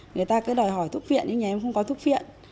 người ta cứ đòi hỏi thuốc viện nhưng nhà em không có thuốc viện